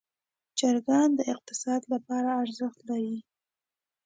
چرګان د اقتصاد لپاره ارزښت لري.